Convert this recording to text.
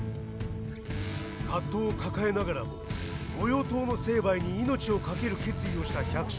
葛藤を抱えながらも御用盗の成敗に命をかける決意をした百姓たち。